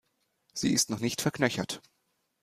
Sie ist noch nicht verknöchert.